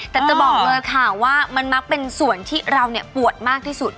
แต่จะบอกเลยค่ะว่ามันมักเป็นส่วนที่เราปวดมากที่สุด